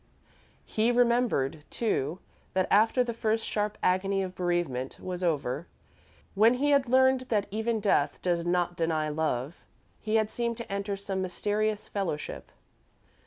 He remembered, too, that after the first sharp agony of bereavement was over; when he had learned that even Death does not deny Love, he had seemed to enter some mysterious fellowship.